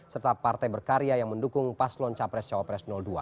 serta partai berkarya yang mendukung paslon capres cawapres dua